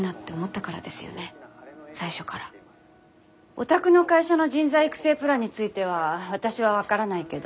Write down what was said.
お宅の会社の人材育成プランについては私は分からないけど。